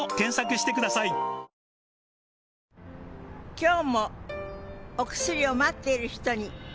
今日もお薬を待っている人に。